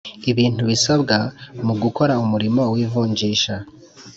ibintu bisabwa mu gukora umurimo w ivunjisha